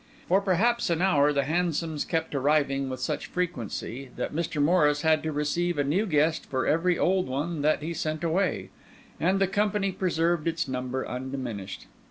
For perhaps an hour the hansoms kept arriving with such frequency, that Mr. Morris had to receive a new guest for every old one that he sent away, and the company preserved its number undiminished.